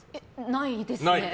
ないですね。